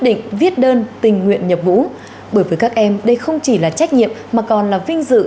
định viết đơn tình nguyện nhập ngũ bởi với các em đây không chỉ là trách nhiệm mà còn là vinh dự